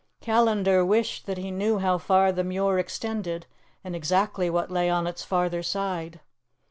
Callandar wished that he knew how far the Muir extended, and exactly what lay on its farther side.